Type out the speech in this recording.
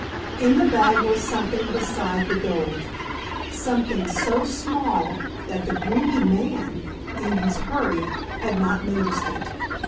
In the bag was something beside the gold something so small that the greedy man in his hurry had not noticed it.